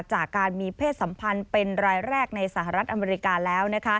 จากการมีเพศสัมพันธ์เป็นรายแรกในสหรัฐอเมริกาแล้ว